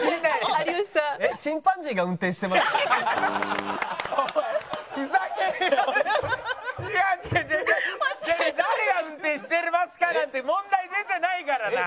「誰が運転してますか？」なんて問題出てないからな。